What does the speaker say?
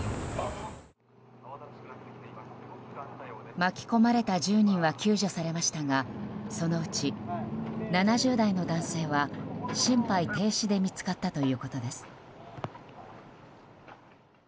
巻き込まれた１０人は救助されましたがそのうち、７０代の男性は心肺停止で見つかったということです。